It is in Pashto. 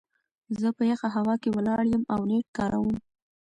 زه په يخه هوا کې ولاړ يم او نيټ کاروم.